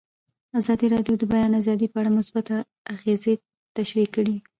ازادي راډیو د د بیان آزادي په اړه مثبت اغېزې تشریح کړي.